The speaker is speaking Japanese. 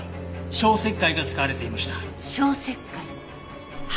消石灰。